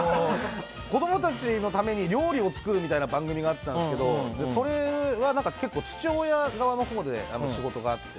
子供たちのために料理を作るみたいな番組があったんですけどそれは結構父親のほうで仕事があって